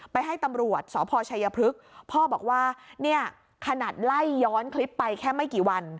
ไปให้ตำรวจสพชัยพฤกษ์พ่อบอกว่าเนี่ยขนาดไล่ย้อนคลิปไปแค่ไม่กี่วัน